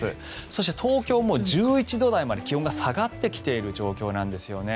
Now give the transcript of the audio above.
そして東京も１１度台まで気温が下がってきている状況なんですよね。